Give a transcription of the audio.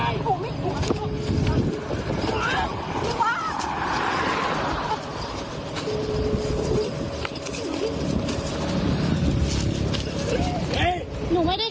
หญิงหนี้